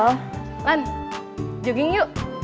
lan jogging yuk